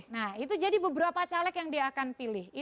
nah itu jadi beberapa caleg yang dia akan pilih